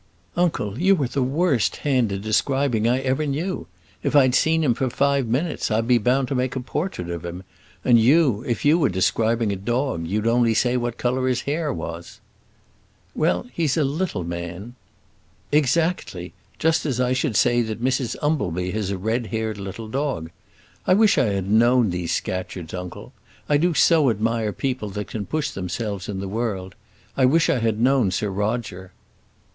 "Uncle, you are the worst hand in describing I ever knew. If I'd seen him for five minutes, I'd be bound to make a portrait of him; and you, if you were describing a dog, you'd only say what colour his hair was." "Well, he's a little man." "Exactly, just as I should say that Mrs Umbleby had a red haired little dog. I wish I had known these Scatcherds, uncle. I do so admire people that can push themselves in the world. I wish I had known Sir Roger."